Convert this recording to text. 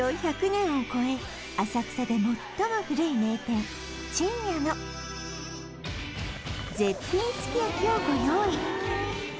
１００年を超え浅草で最も古い名店ちんやの絶品すき焼きをご用意